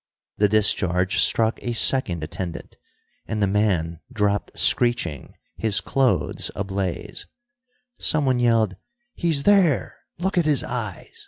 The discharge struck a second attendant, and the man dropped screeching, his clothes ablaze. Somebody yelled, "He's there! Look at his eyes!"